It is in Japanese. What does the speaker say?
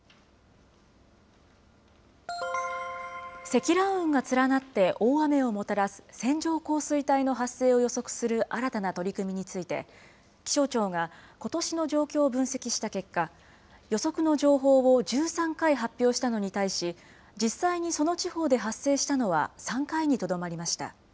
積乱雲が連なって、大雨をもたらす線状降水帯の発生を予測する新たな取り組みについて、気象庁がことしの状況を分析した結果、予測の情報を１３回発表したのに対し、実際にその地方で発生したのは３回にとどまりました。